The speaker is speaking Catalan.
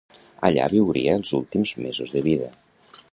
Allà viuria els últims mesos de vida.